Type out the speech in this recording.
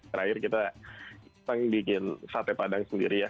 terakhir kita bikin sate padang sendiri ya